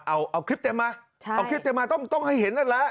เอาเอาคลิปเต็มมาเอาคลิปเต็มมาต้องให้เห็นนั่นแหละ